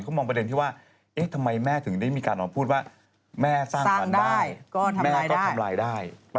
เขามองประเด็นที่ว่าเอ๊ะทำไมแม่ถึงได้มีการออกมาพูดว่าแม่สร้างฟันได้แม่ก็ทำลายได้